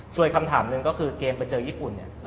ส่วนอีกคำถามหนึ่งก็คือเกมไปเจอญี่ปุ่นเนี่ย